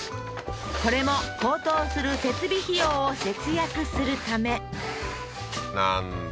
これも高騰する設備費用を節約するためなんだ